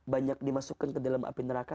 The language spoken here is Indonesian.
banyak dimasukkan ke dalam api neraka